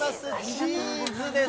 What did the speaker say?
チーズです。